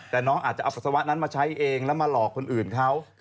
แต่น้องอาจจะเอาปัสสาวะนั้นมาใช้เองแล้วมาหลอกคนอื่นเขา